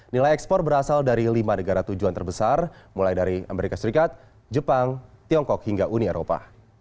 nilai ekspor berasal dari lima negara tujuan terbesar mulai dari amerika serikat jepang tiongkok hingga uni eropa